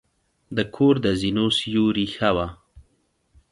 د کور د زینو سیوري ښه وه.